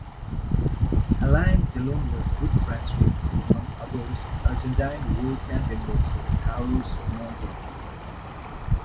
Alain Delon was good friends with, among others, Argentine world champion boxer Carlos Monzon.